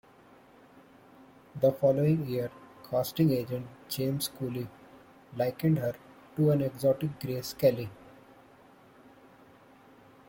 The following year, casting agent James Scully likened her to "an exotic Grace Kelly".